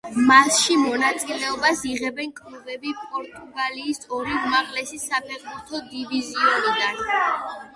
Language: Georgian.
მასში მონაწილეობას იღებენ კლუბები პორტუგალიის ორი უმაღლესი საფეხბურთო დივიზიონიდან.